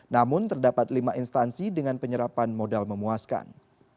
namun terdapat lima instansi dengan penyerapan modal memuaskan